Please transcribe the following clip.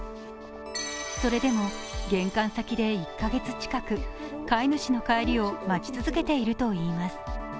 それでも、玄関先で１カ月近く飼い主の帰りを待ち続けているといいます。